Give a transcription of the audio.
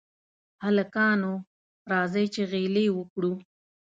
هلکانو! راځئ چې غېلې وکړو.